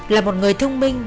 là một người thông minh